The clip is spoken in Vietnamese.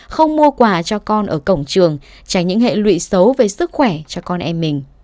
không mua quà cho con ở cổng trường tránh những hệ lụy xấu về sức khỏe cho con em mình